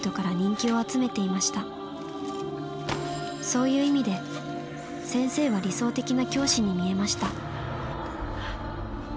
そういう意味で先生は理想的な教師に見えました」。